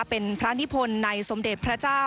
เป็นพระนิพนธ์ในสมเด็จพระเจ้า